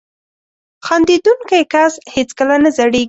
• خندېدونکی کس هیڅکله نه زړېږي.